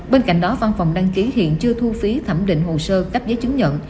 bên cạnh đó văn phòng đăng ký hiện chưa thu phí thẩm định hồ sơ cấp giấy chứng nhận